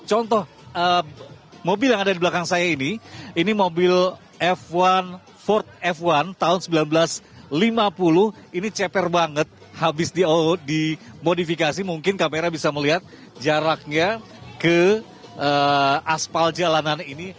contoh mobil yang ada di belakang saya ini ini mobil f satu empat f satu tahun seribu sembilan ratus lima puluh ini ceper banget habis dimodifikasi mungkin kamera bisa melihat jaraknya ke aspal jalanan ini